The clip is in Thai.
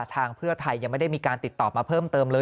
เพื่อไทยยังไม่ได้มีการติดต่อมาเพิ่มเติมเลย